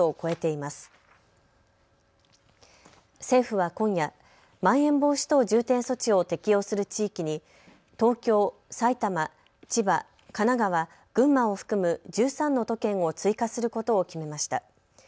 政府は今夜、まん延防止等重点措置を適用する地域に東京、埼玉、千葉、神奈川、群馬を含む１３の都県を追加することを決めました。